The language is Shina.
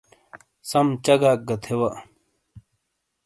سَم چَگاک گہ تھے وا۔